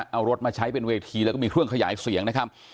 เอารถมาใช้เป็นเวทีแล้วก็มีเครื่องขยายเสียงนะครับ